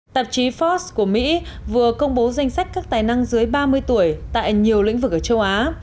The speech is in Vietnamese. tạp chí forbes của mỹ vừa công bố danh sách các tài năng dưới ba mươi tuổi tại nhiều lĩnh vực ở châu á